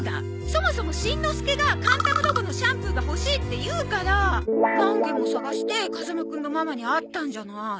そもそもしんのすけがカンタムロボのシャンプーが欲しいって言うから何軒も探して風間くんのママに会ったんじゃない。